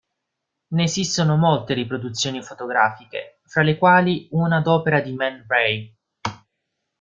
Ne esistono molte riproduzioni fotografiche, fra le quali una ad opera di Man Ray.